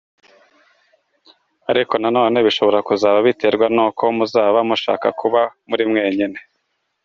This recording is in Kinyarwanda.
Ariko nanone bishobora kuzaba biterwa n’uko muzaba mushaka kuba muri mwenyine.